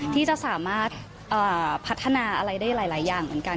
ที่จะสามารถพัฒนาอะไรได้หลายอย่างเหมือนกัน